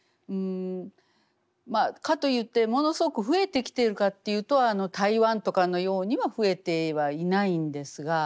まあかといってものすごく増えてきているかというと台湾とかのようには増えてはいないんですが。